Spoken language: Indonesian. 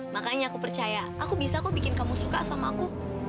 makanya aku percaya aku bisa kok bikin kamu suka sama aku